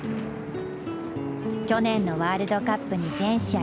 去年のワールドカップに全試合